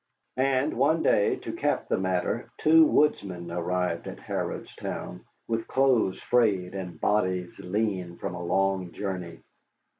And one day, to cap the matter, two woodsmen arrived at Harrodstown with clothes frayed and bodies lean from a long journey.